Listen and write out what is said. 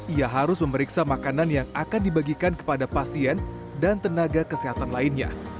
ia harus memeriksa makanan yang akan dibagikan kepada pasien dan tenaga kesehatan lainnya